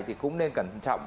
thì cũng nên cẩn trọng